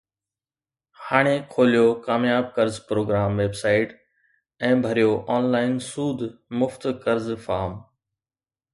ھاڻي کوليو ڪامياب قرض پروگرام ويب سائيٽ ۽ ڀريو آن لائن سود مفت قرض فارم